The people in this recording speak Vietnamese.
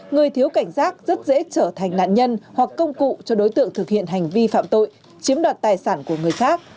người thiếu cảnh giác rất dễ trở thành nạn nhân hoặc công cụ cho đối tượng thực hiện hành vi phạm tội chiếm đoạt tài sản của người khác